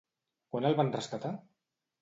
Quan el van rescatar?